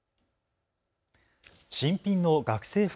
新品の学生服。